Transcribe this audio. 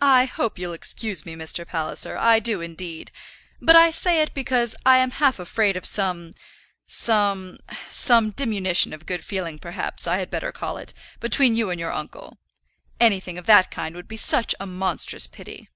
"I hope you'll excuse me, Mr. Palliser, I do, indeed; but I say it because I am half afraid of some, some, some diminution of good feeling, perhaps, I had better call it, between you and your uncle. Anything of that kind would be such a monstrous pity."